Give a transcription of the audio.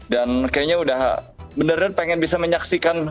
dan kayaknya udah benar benar pengen bisa menyaksikan